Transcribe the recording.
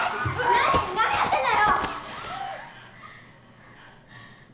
何⁉何やってんだよ！